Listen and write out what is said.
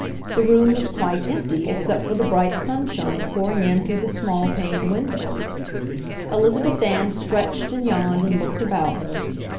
The room was quite empty except for the bright sunshine pouring in through the small paned windows. Elizabeth Ann stretched and yawned and looked about her.